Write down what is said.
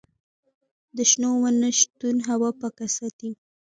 د شنو ونو شتون هوا پاکه ساتي.